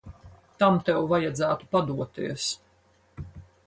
Tam tev vajadzētu padoties.